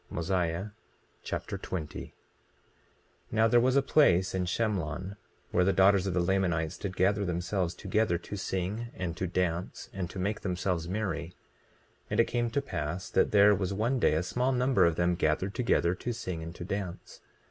Mosiah Chapter 20 20:1 Now there was a place in Shemlon where the daughters of the Lamanites did gather themselves together to sing, and to dance, and to make themselves merry. 20:2 And it came to pass that there was one day a small number of them gathered together to sing and to dance.